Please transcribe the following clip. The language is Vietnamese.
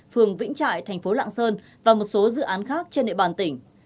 phường vĩnh trại thành phố lạng sơn và một số dự án khác trên địa bàn tỉnh